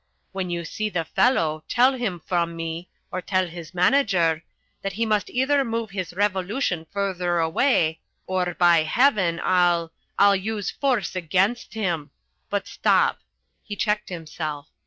When you see the fellow, tell him from me or tell his manager that he must either move his revolution further away or, by heaven, I'll I'll use force against him. But stop," he checked himself.